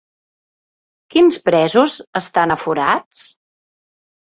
Quins presos estan aforats?